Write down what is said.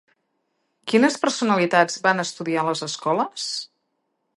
Quines personalitats van estudiar a Les Escoles?